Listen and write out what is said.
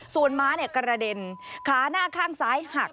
ส่วนม้ากระเด็นขาหน้าข้างซ้ายหัก